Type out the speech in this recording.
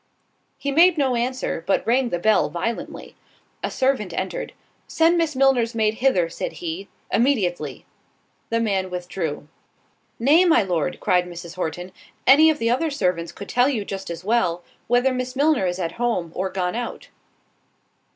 He made no answer, but rang the bell violently. A servant entered. "Send Miss Milner's maid hither," said he, "immediately." The man withdrew. "Nay, my Lord," cried Mrs. Horton, "any of the other servants could tell you just as well, whether Miss Milner is at home, or gone out."